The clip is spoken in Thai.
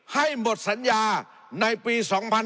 ให้หมดสัญญาในปี๒๕๕๙